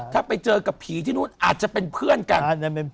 ถ้าไปเจอกับผีที่นู่นอาจจะเป็นเพื่อนกัน